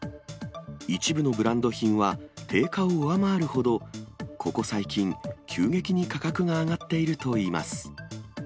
一部のブランド品は定価を上回るほど、ここ最近、急激に価格が上がっているといいます。